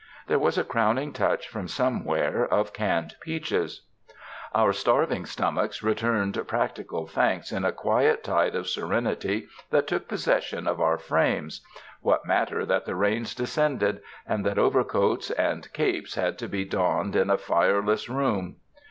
There was a crown ing touch from somewhere of canned peaches. Our starving stomachs returned practical thanks in a quiet tide of serenity that took possession of our frames. What matter that the rains descended, and that overcoats and capes had to be donned in a fire less room?